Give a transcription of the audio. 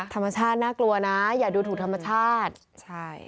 ธรรมชาติน่ากลัวนะอย่าดูถูกธรรมชาติใช่